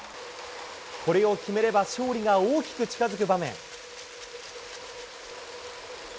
これを決めれば勝利が大きく近づく場面。